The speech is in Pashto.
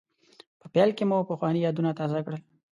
په پیل کې مو پخواني یادونه تازه کړل.